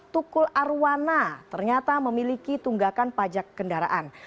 tukul arwana ternyata memiliki tunggakan pajak kendaraan